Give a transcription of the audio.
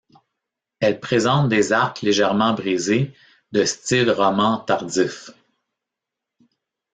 Elle présente des arcs légèrement brisés, de style roman tardif.